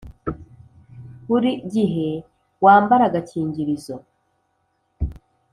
buri gihe wambare agakingirizo.